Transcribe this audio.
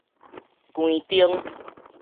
關燈